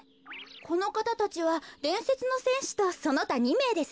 このかたたちはでんせつのせんしとそのた２めいですよ。